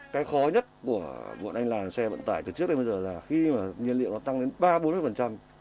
cái khó nhất của vận tải xe vận tải từ trước đến bây giờ là khi nhiên liệu tăng đến ba bốn